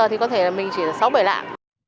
thì có thể là mình chỉ là sáu bảy lạng